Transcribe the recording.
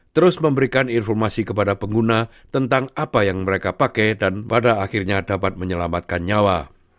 terus memberikan informasi kepada pengguna tentang apa yang mereka pakai dan pada akhirnya dapat menyelamatkan nyawa